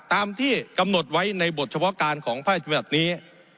ตามที่กำหนดไว้ในบทเฉพาะการของพระราชบัญญัตินี้